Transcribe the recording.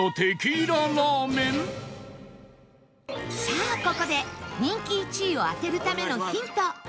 さあここで人気１位を当てるためのヒント